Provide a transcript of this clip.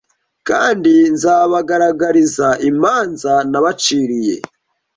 Kandi nzabagaragariza imanza nabaciriye